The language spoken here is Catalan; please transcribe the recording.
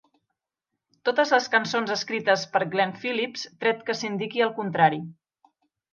Totes les cançons escrites per Glen Phillips, tret que s'indiqui el contrari.